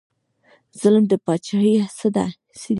ظلم د پاچاهۍ څه دی؟